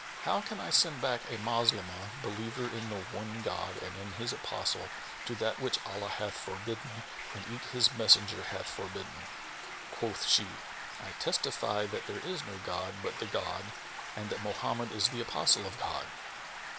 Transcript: How can I send back a Moslemah believer in the one God and in His Apostle to that which Allah hath forbidden and eke His Messenger hath forbidden?" Quoth she, "I testify that there is no god but the God and that Mohammed is the Apostle of God!"